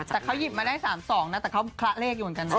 แต่เขาหยิบมาได้๓๒นะแต่เขาคละเลขอยู่เหมือนกันนะ